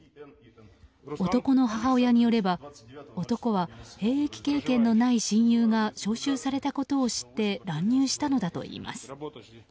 男の母親によれば男は、兵役経験のない親友が招集されたことを知って乱入したのだといいます。